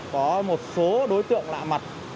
có một số đối tượng lạ mặt